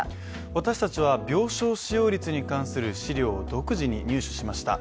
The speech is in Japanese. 私たちは病床使用率に関する資料を独自に入手しました。